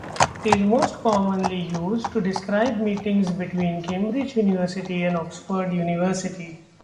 It is most commonly used to describe meetings between Cambridge University and Oxford University.